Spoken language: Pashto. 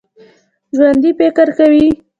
ژوندي فکر کوي